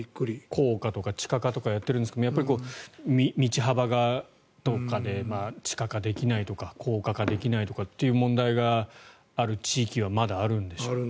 高架とか地下化とかやっているんですがやっぱり道幅がとかで地下化できないとか高架化できないという問題がある地域はまだあるんでしょうね。